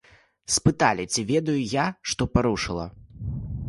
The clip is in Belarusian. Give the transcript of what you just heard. Спыталі, ці ведаю я, што парушыла.